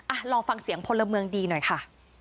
ลองฟังเสียงพลเมืองดีหน่อยค่ะ